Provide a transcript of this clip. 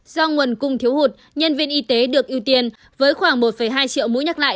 do nguồn cung thiếu hụt nhân viên y tế được ưu tiên với khoảng một hai triệu mũi nhắc lại